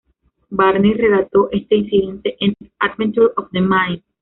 Barney relató este incidente en "Adventures of the Mind.